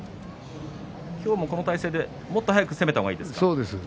今日もこの体勢でもっと早く攻めた方がいいですか？